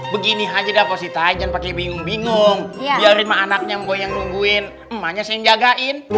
begini aja dah positai jangan pake bingung bingung biarin mah anaknya mpo yang nungguin emaknya si yang jagain